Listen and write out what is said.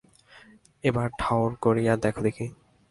একবার ঠাওর করিয়া দেখো দেখি।